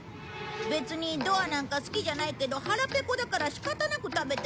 別にドアなんか好きじゃないけど腹ペコだから仕方なく食べてるんだって。